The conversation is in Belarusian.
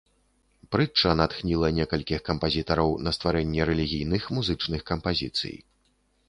Прытча натхніла некалькіх кампазітараў на стварэнне рэлігійных музычных кампазіцый.